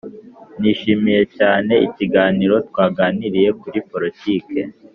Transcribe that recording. nishimiye cyane ikiganiro twaganiriye kuri politiki.